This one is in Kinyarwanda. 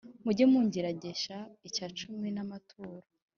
Mujye mungerageresha icyacumi n’amaturo